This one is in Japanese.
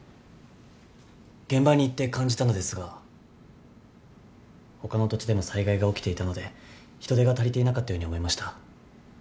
現場に行って感じたのですが他の土地でも災害が起きていたので人手が足りていなかったように思いました。